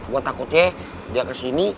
gue takutnya dia kesini